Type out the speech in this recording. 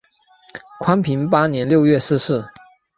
宽平八年六月逝世。